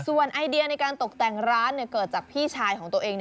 ส่วนไอเดียในการตกแต่งร้านเกิดจากพี่ชายของตัวเอง